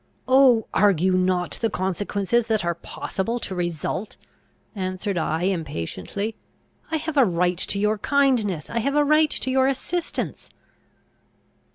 "Oh, argue not the consequences that are possible to result!" answered I, impatiently, "I have a right to your kindness; I have a right to your assistance!"